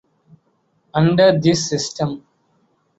Under this system.